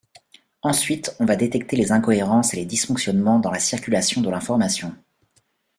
Ensuite, on va détecter les incohérences et les dysfonctionnements dans la circulation de l’information.